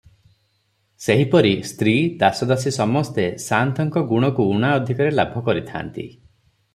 ସେହିପରି ସ୍ତ୍ରୀ, ଦାସ ଦାସୀ ସମସ୍ତେ ସାଆନ୍ତଙ୍କ ଗୁଣକୁ ଉଣା ଅଧିକରେ ଲାଭ କରିଥାନ୍ତି ।